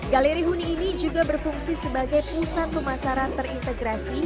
galeri huni ini juga berfungsi sebagai pusat pemasaran terintegrasi